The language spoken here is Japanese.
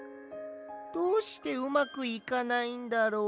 どうしてうまくいかないんだろう。